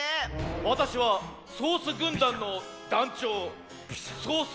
わたしはソースぐんだんのだんちょうソース